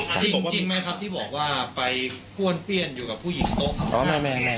จริงไหมครับที่บอกว่าไปก้วนเตี้ยนอยู่กับผู้หญิงโต๊ะ